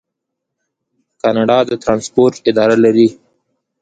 کاناډا د ټرانسپورټ اداره لري.